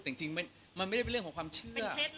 แต่จริงมันไม่ได้เป็นเรื่องของความเชื่อ